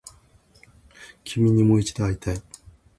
君にもう一度会いたい